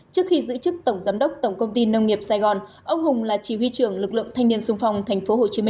trước khi giữ chức tổng giám đốc tổng công ty nông nghiệp sài gòn ông hùng là chỉ huy trưởng lực lượng thanh niên sung phong tp hcm